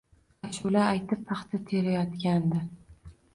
Ashula aytib paxta terayotgandi.